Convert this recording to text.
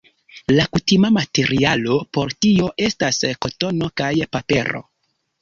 La kutima materialo por tio estas kotono kaj papero.